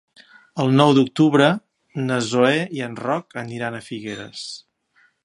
El nou d'octubre na Zoè i en Roc aniran a Figueres.